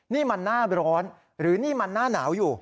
นี่มันหน้าร้อนหรือนี่มันหน้าหนาวอยู่